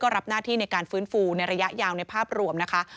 รับหน้าที่ในการฟื้นฟูในระยะยาวในภาพรวมนะคะ